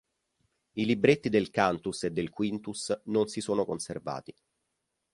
I libretti del cantus e del quintus non si sono conservati.